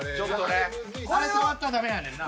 あれは触ったらダメやねんな。